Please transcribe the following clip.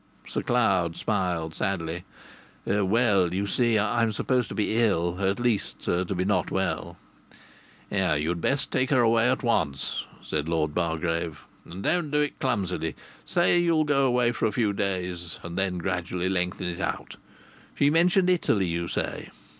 Sir Cloud smiled sadly. "Well, you see, I'm supposed to be ill at least, to be not well." "You'd best take her away at once," said Lord Bargrave. "And don't do it clumsily. Say you'll go away for a few days, and then gradually lengthen it out. She mentioned Italy, you say.